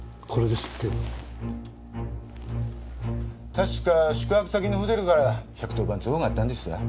確か宿泊先のホテルから１１０番通報があったんです。